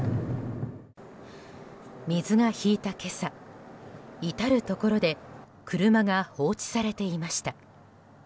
水が引いた今朝至るところで車が放置されていました。